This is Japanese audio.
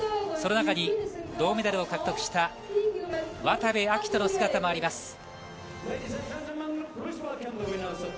その中に銅メダルを獲得した渡部暁斗の姿もあります。